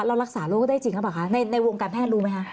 รักษาโรคได้จริงหรือเปล่าคะในวงการแพทย์รู้ไหมคะ